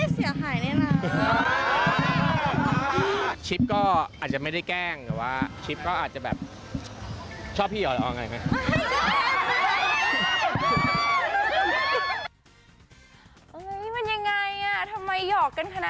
ก่อนที่พี่นักข่าวจะลากบอยมาสัมภาษณ์คู่เมื่อชิปปี้บอกถ้าเฮียบอยให้อังปาวจะยอมเป็นแฟนอ้าวงานนี้ฟินขนาดไหนไปดูกันค่ะ